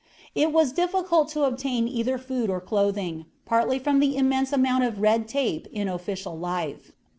It was difficult to obtain either food or clothing, partly from the immense amount of "red tape" in official life.